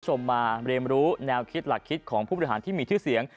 คุณผู้ชมมาเรียนรู้แนวคิดหลักคิดของผู้บริหารที่มีชื่อเสียง